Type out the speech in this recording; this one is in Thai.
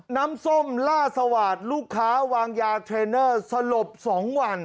น้ำส้มล่าสวาดลูกค้าวางยาเทรนเนอร์สลบ๒วัน